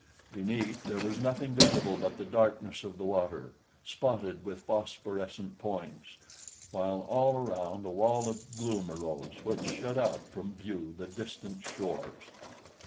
Beneath there was nothing visible but the darkness of the water, spotted with phosphorescent points, while all around a wall of gloom arose which shut out from view the distant shores.